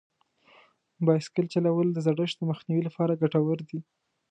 بایسکل چلول د زړښت د مخنیوي لپاره ګټور دي.